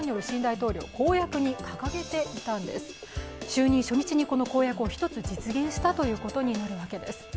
就任初日に公約を１つ実現したことになるわけです。